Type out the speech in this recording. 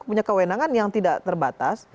punya kewenangan yang tidak terbatas